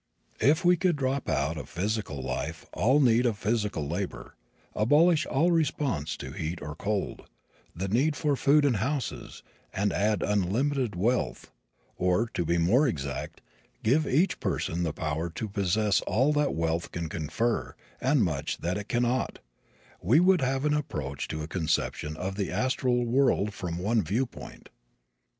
If we could drop out of physical life all need of physical labor, abolish all response to heat or cold, the need of food and houses, and add unlimited wealth or, to be more exact, give each person the power to possess all that wealth can confer and much that it can not, we would have an approach to a conception of the astral world from one viewpoint.